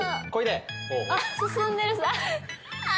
進んでる！